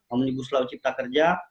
omnibus law cipta kerja